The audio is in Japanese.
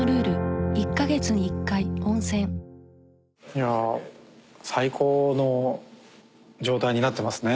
いや最高の状態になってますね。